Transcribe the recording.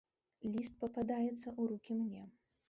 Ліст пападаецца ў рукі мне.